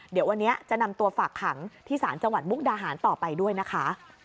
เดี๋ยววันนี้จะนำตัวฝากขังที่ศาลจังหวัดมุกดาหารต่อไปด้วยนะคะ